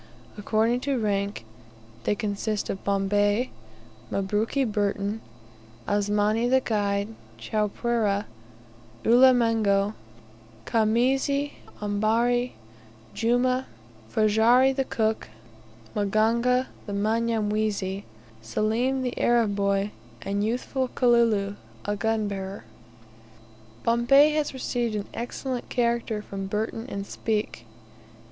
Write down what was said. According to rank, they consist of Bombay, Mabruki Burton, Asmani the guide, Chowpereh, Ulimengo, Khamisi, Ambari, Jumah, Ferajji the cook, Maganga the Mnyamwezi, Selim the Arab boy, and youthful Kalulu a gunbearer. Bombay has received an excellent character from Burton and Speke.